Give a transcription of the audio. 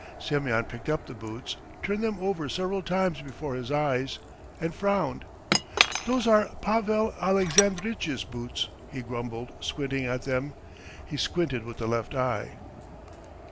Semyon picked up the boots, turned them over several times before his eyes, and frowned. "Those are Pavel Alexandritch's boots," he grumbled, squinting at them. He squinted with the left eye.